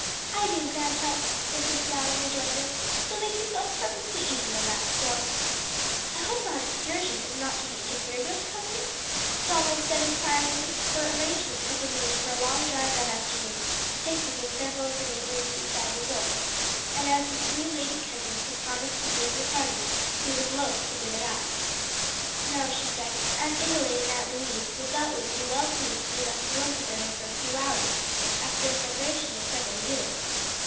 "I do, grandpa," was her smiling rejoinder, "so make yourself perfectly easy on that score." "I hope our excursion is not to be interfered with, cousin?" Donald said inquiringly: for arrangements had been made for a long drive that afternoon, taking in several of the neighboring sea side resorts, and as his three lady cousins had promised to be of the party, he was loath to give it up. "No," she said, "Aunt Adelaide and Aunt Louise will doubtless be well pleased to be left alone together for a few hours, after a separation of several years."